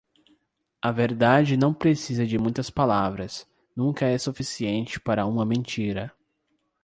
A verdade não precisa de muitas palavras, nunca é suficiente para uma mentira.